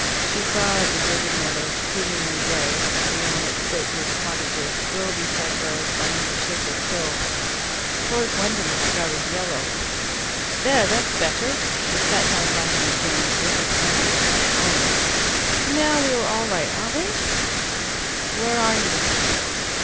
She saw a deserted meadow, steaming and grey, and beyond it slateroofed cottages, row beside row, climbing a shapeless hill. Towards London the sky was yellow. "There. That's better." She sat down by him again, and drew his hand into her own. "Now we are all right, aren't we?" "Where are you?"